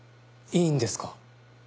いいんですか？